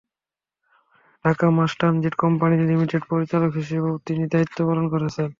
Dhaka mass transit company লিমিডেটের পরিচালক হিসেবেও তিনি দায়িত্ব পালন করছেন।